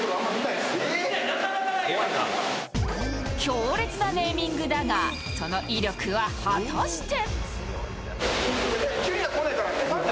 強烈なネーミングだが、その威力は果たして？